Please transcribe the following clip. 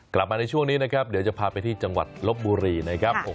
กลับมาในช่วงนี้นะครับเดี๋ยวจะพาไปที่จังหวัดลบบุรีนะครับ